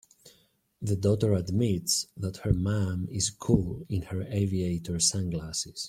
The daughter admits that her mom is cool in her aviator sunglasses.